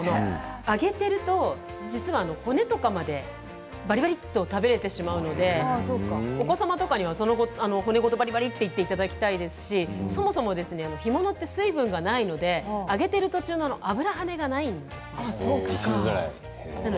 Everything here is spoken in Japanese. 揚げると実は骨とかまでばりばりと食べられてしまうのでお子様とかには骨ごとばりばりといっていただきたいですしそもそも干物は水分がないので揚げている途中の油跳ねがないんですね。